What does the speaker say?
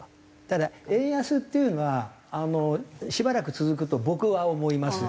ただ円安っていうのはあのしばらく続くと僕は思います。